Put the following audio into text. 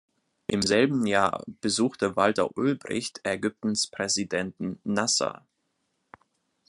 Im selben Jahr besuchte Walter Ulbricht Ägyptens Präsidenten Nasser.